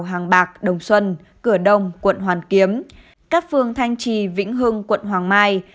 hàng bạc đồng xuân cửa đông quận hoàn kiếm các phương thanh trì vĩnh hưng quận hoàng mai